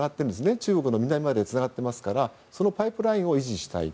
中国の南までつながってますからそのパイプラインを維持したい。